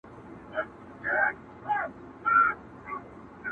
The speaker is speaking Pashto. o له رام رام څخه تښتېدم، پر کام کام واوښتم٫